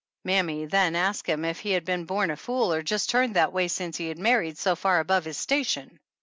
Mammy then asked him if he had been born a fool or just turned that way since he had married so far above his station.